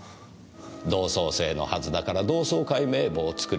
同窓生のはずだから同窓会名簿を作りたい。